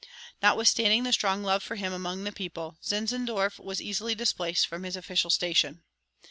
Notwithstanding the strong love for him among the people, Zinzendorf was easily displaced from his official station.